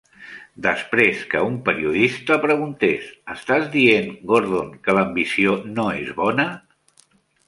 Després que un periodista preguntés: "Estàs dient, Gordon, que l'ambició no és bona?